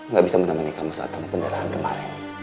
nggak bisa menemani kamu saat tamu penderahan kemarin